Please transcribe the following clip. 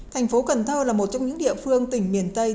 thành phố cần thơ là một trong những địa phương tỉnh miền tây